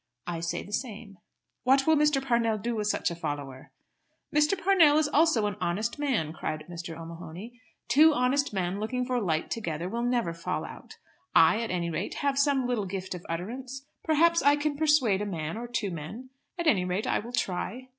I say the same." "What will Mr. Parnell do with such a follower?" "Mr. Parnell is also an honest man," cried Mr. O'Mahony. "Two honest men looking for light together will never fall out. I at any rate have some little gift of utterance. Perhaps I can persuade a man, or two men. At any rate I will try."